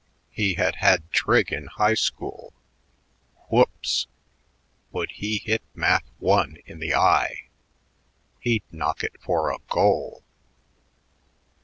He had had trig in high school. Whoops! Would he hit Math I in the eye? He'd knock it for a goal....